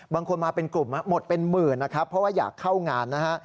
บางคนมาเป็นกลุ่มหมดเป็นหมื่นนะครับเพราะว่าอยากเข้างานนะฮะ